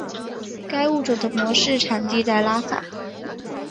该物种的模式产地在拉萨。